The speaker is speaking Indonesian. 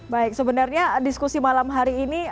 baik sebenarnya diskusi malam hari ini